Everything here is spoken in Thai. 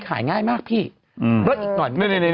กันชาอยู่ในนี้